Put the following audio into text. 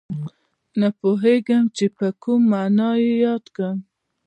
نه پوهېږم چې په کوم نامه یې یاد کړم